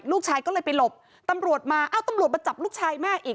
ลูกชายก็เลยไปหลบตำรวจมาเอ้าตำรวจมาจับลูกชายแม่อีก